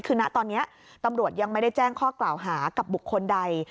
คือณตอนนี้ตำรวจยังไม่ได้แจ้งข้อกล่าวหากับบุคคลใด